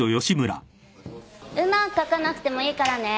うまく描かなくてもいいからね。